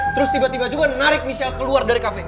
terus tiba tiba juga menarik michelle keluar dari cafe